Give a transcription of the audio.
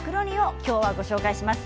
今日はご紹介します。